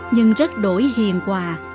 nhưng rất đổi hiền quà